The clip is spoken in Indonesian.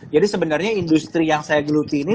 sebenarnya industri yang saya geluti ini